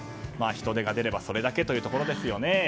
人出が出ればそれだけということですよね。